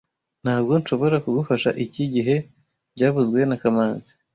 Ntabwo nshobora kugufasha iki gihe byavuzwe na kamanzi